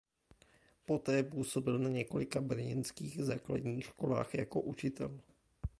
Poté působil na několika brněnských základních školách jako učitel.